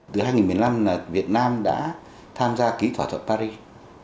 từ hai nghìn một mươi năm là việt nam đã tham gia ký thỏa thuận paris